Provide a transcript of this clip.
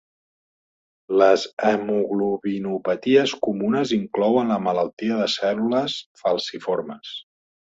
Les hemoglobinopaties comunes inclouen la malaltia de cèl·lules falciformes.